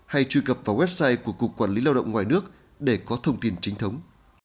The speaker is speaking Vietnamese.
hay truy cập vào website của cục quản lý lao động ngoài nước để có thông tin chính thống